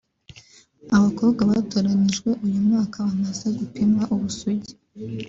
Abakobwa batoranyijwe uyu mwaka bamaze gupimwa ubusugi